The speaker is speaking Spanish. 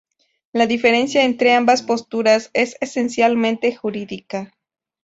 La diferencia entre ambas posturas, es esencialmente jurídica.